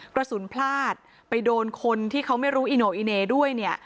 กระสุนพลาดไปโดนคนที่เขาไม่รู้อิโนอิเนด้วยเนี่ย